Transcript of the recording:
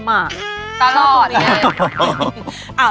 แล้วเขาคงได้